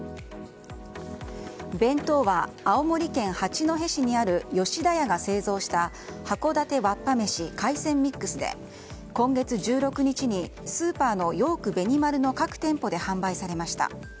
弁当は、青森県八戸市にある吉田屋が製造した函館わっぱめし海鮮ミックスで今月１６日にスーパーのヨークベニマルの各店舗で販売されました。